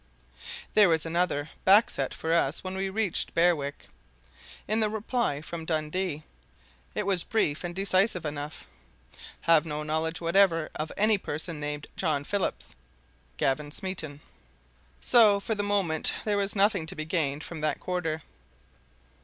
There was another back set for us when we reached Berwick in the reply from Dundee. It was brief and decisive enough. "Have no knowledge whatever of any person named John Phillips Gavin Smeaton." So, for the moment, there was nothing to be gained from that quarter.